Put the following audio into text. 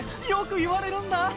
よく言われるんだ。